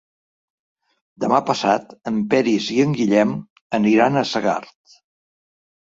Demà passat en Peris i en Guillem aniran a Segart.